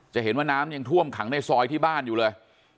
จะเห็นว่าน้ำยังท่วมขังในซอยที่บ้านอยู่เลย